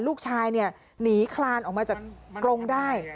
ลูกชายหนีคลานออกมาจากกรงได้